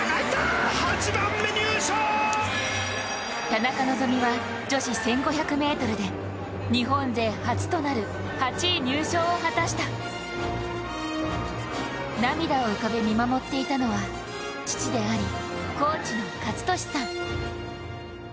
田中希実は女子１５００ｍで日本勢初となる８位入賞を果たした涙を浮かべ見守っていたのは父であり、コーチの健智さん。